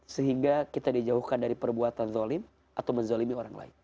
sehingga kita dijauhkan dari perbuatan zolim atau menzolimi orang lain